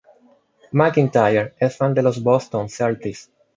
McIntyre es fan de los Boston Celtics.